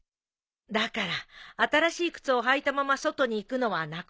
だから新しい靴を履いたまま外に行くのは亡くなった人。